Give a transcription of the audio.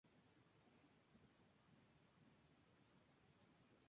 El tercer capítulo se transmitió el día martes, en el mismo horario.